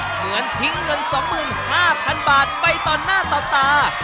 เหมือนทิ้งเงิน๒๕๐๐๐บาทไปต่อหน้าต่อตา